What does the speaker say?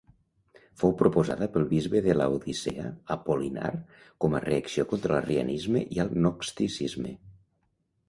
Fou proposada pel bisbe de Laodicea Apol·linar com a reacció contra l'arrianisme i el gnosticisme.